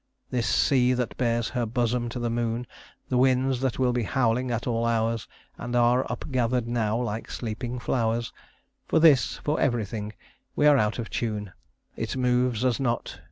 This sea that bares her bosom to the moon; The winds that will be howling at all hours, And are upgathered now like sleeping flowers; For this, for everything, we are out of tune; It moves us not.